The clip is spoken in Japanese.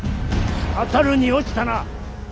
語るに落ちたな。